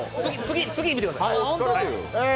次見てください。